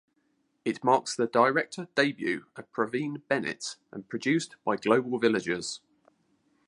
It marks the director debut of Praveen Bennett and produced by Global Villagers.